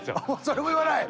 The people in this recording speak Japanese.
それも言わない？